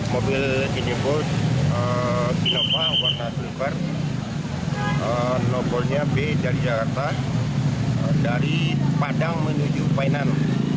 mobil jenis bus kinova warna silver nobolnya b dari jakarta dari padang menuju painan